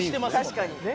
確かにね。